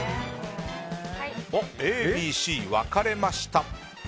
Ａ、Ｂ、Ｃ、分かれました。